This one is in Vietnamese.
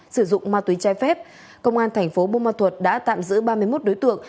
sử dụng ma túy trái phép công an thành phố bô ma thuật đã tạm giữ ba mươi một đối tượng